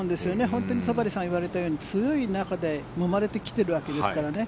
本当に戸張さんが言われたように強い中でもまれてきてるわけですからね。